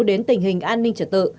đến tình hình an ninh trật tự